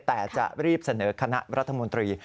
แต่จะรีบเสนอคณะรัฐมนตรี